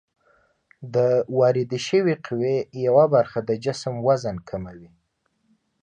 د واردې شوې قوې یوه برخه د جسم وزن کموي.